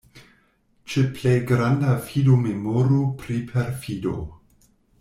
Ĉe plej granda fido memoru pri perfido.